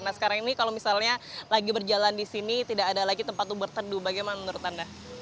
nah sekarang ini kalau misalnya lagi berjalan di sini tidak ada lagi tempat untuk berteduh bagaimana menurut anda